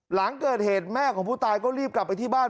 หลังเกิดเหตุแม่ของผู้ตายก็รีบกลับไปที่บ้าน